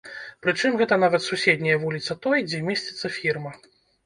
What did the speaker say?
Прычым гэта нават суседняя вуліца той, дзе месціцца фірма.